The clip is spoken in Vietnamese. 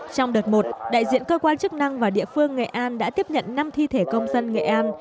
trong đợt một đại diện cơ quan chức năng và địa phương nghệ an đã tiếp nhận năm thi thể công dân nghệ an